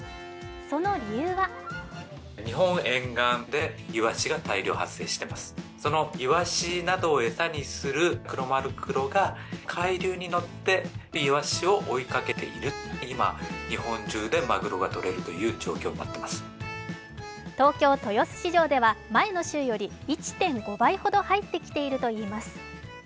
その理由は東京・豊洲市場では前の週より１．５倍ほど入ってきているといいます。